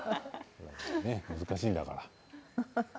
難しいんだから。